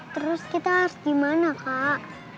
terus kita harus gimana kak